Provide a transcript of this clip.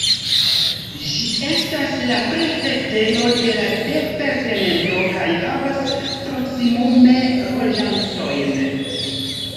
Ĝi estas la prefektejo de la departemento kaj havas proksimume loĝantojn.